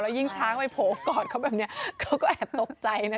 ยิ่งช้างไปโผล่กอดเขาแบบนี้เขาก็แอบตกใจนะ